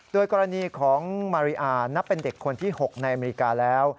โดยกรณีของมาริอานับเป็นเด็กคนที่๖ในอเมริกาแล้ว